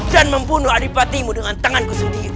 dan membunuh adipatimu dengan tanganku sendiri